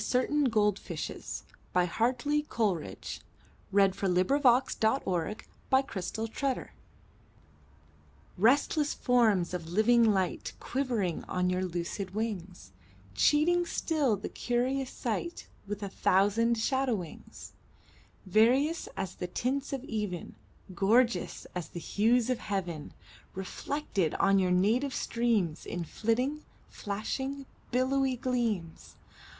E F . G H . I J . K L . M N . O P . Q R . S T . U V . W X . Y Z Address to Certain Golfishes RESTLESS forms of living light Quivering on your lucid wings, Cheating still the curious sight With a thousand shadowings; Various as the tints of even, Gorgeous as the hues of heaven, Reflected on you native streams In flitting, flashing, billowy gleams!